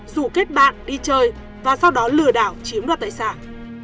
rủ kết bạn đi chơi và sau đó lừa đảo chiếm đoạt tài sản